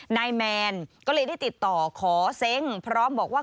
นายแมนก็เลยได้ติดต่อขอเซ้งพร้อมบอกว่า